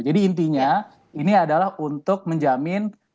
jadi intinya ini adalah untuk menjamin